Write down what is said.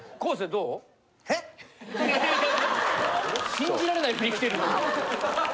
信じられない振り来てるよ。